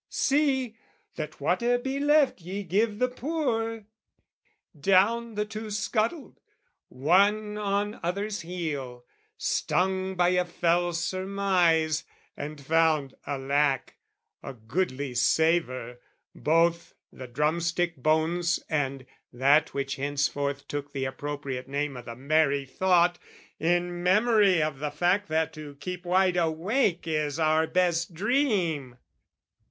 "See, that whate'er be left, ye give the poor!" Down the two scuttled, one on other's heel, Stung by a fell surmise; and found, alack, A goodly savour, both the drumstick bones, And that which henceforth took the appropriate name O' the merry thought, in memory of the fact That to keep wide awake is our best dream.